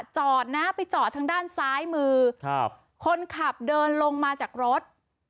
จอดนะไปจอดทางด้านซ้ายมือคนขับเดินลงมาจากรถ